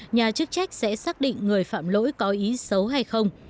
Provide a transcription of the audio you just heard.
nhà chức trách sẽ xác định người phạm lỗi có ý xấu hay không